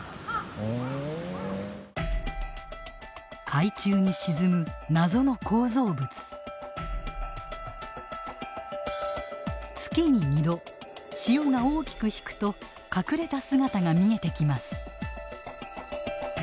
海中に沈む月に２度潮が大きく引くと隠れた姿が見えてきます。